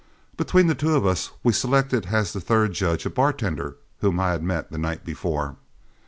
Between the two of us we selected as the third judge a bartender whom I had met the night before.